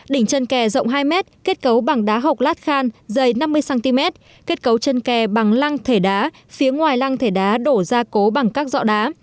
đỉnh chân kè rộng hai m kết cấu bằng đá học lát khan dày năm mươi cm kết cấu chân kè bằng lăng thể đá phía ngoài lăng thể đá đổ ra cố bằng các dọ đá